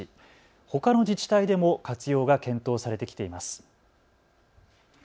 ほかの自治体でも活用が検討されてきています。